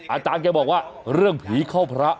อาจารย์แกบอกว่าเรื่องผีเข้าพระ